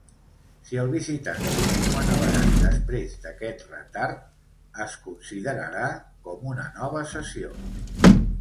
Si el visitant continua navegant després d'aquest retard, es considerarà com una nova sessió.